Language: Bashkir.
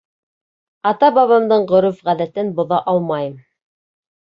Ата-бабамдың ғөрөф-ғәҙәтен боҙа алмайым.